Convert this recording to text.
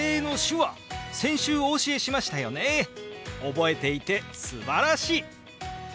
覚えていてすばらしい！